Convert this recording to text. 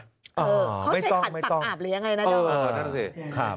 เออเขาใช้ถัดปักอาบหรือยังไงน่ะล่ะจ้ะ